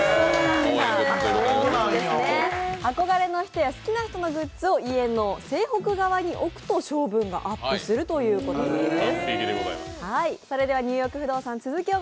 憧れの人や好きな人のグッズを家の西北側に置くと、勝負運がアップするということなんです。